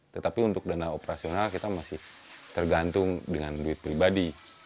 tetapi untuk dana operasional kita masih tergantung dengan duit pribadi